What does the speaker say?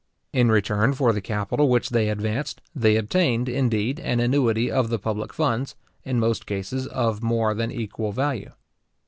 In return for the capital which they advanced, they obtained, indeed, an annuity of the public funds, in most cases, of more than equal value.